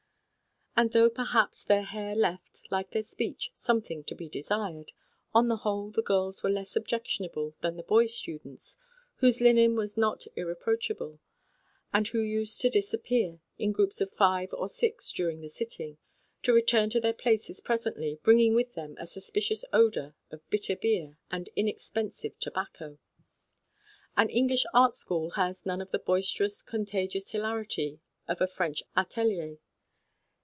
And though perhaps their hair left, like their speech, something to be desired, on the whole the girls were less objectionable than the boy students, whose linen was not irreproachable, and who used to disappear in groups of five or six during the sitting, to return to their 86 THE STORY OF A MODERN WOMAN. places presently bringing with them a sus picious odour of bitter beer and inexpensive tobacco. An English art school has none of the boisterous, contagious hilarity of a French atelier.